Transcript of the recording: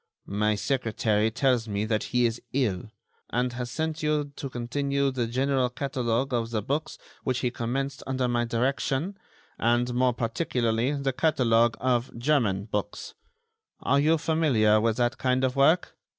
"My secretary tells me that he is ill, and has sent you to continue the general catalogue of the books which he commenced under my direction, and, more particularly, the catalogue of German books. Are you familiar with that kind of work?"